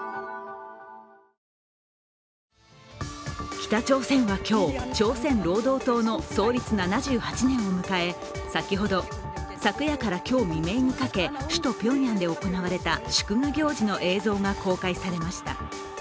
北朝鮮は今日、朝鮮労働党の創立７８年を迎え先ほど昨夜から今日未明にかけ首都ピョンヤンで行われた祝賀行事の映像が公開されました。